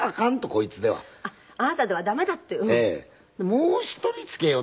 もう１人つけようと。